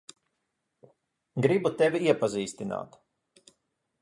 Gribu tevi iepazīstināt.